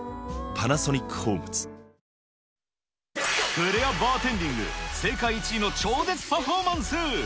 フレアバーテンディング、世界一の超絶パフォーマンス。